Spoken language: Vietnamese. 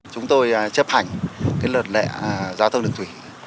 chúng tôi chấp hành luật lệ giao thông đường thủy